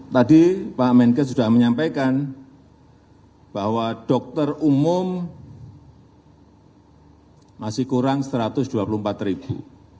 tadi pak menkes sudah menyampaikan bahwa dokter umum masih kurang satu ratus dua puluh empat ribu